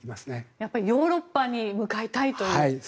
やっぱりヨーロッパに向かいたいと。